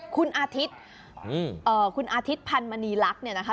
คุณอาทิตย์อืมเอ่อคุณอาทิตย์พันมณีลักษณ์นี้นะคะ